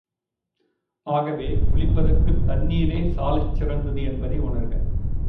ஆகவே குளிப்பதற்குத் தண்ணிரே சாலச் சிறந்தது என்பதை உணர்க.